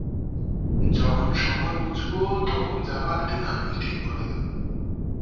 যখন সময় বুঝব তখন যাবার দিন আমিই ঠিক করে দেব।